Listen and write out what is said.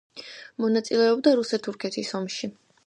მონაწილეობდა რუსეთ-თურქეთის ომში.